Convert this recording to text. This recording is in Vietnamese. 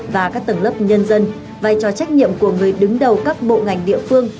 và các tầng lớp nhân dân vai trò trách nhiệm của người đứng đầu các bộ ngành địa phương